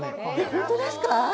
本当ですか？